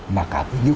mà cả với dữ liệu